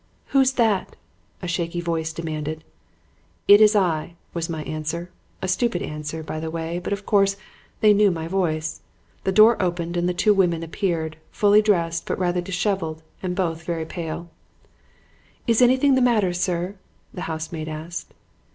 "'Who's that?' a shaky voice demanded. "'It is I,' was my answer a stupid answer, by the way, but, of course, they knew my voice. The door opened and the two women appeared, fully dressed but rather disheveled and both very pale. "'Is anything the matter, sir?' the housemaid asked.